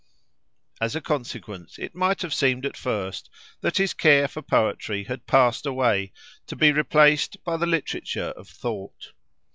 As a consequence it might have seemed at first that his care for poetry had passed away, to be replaced by the literature of thought.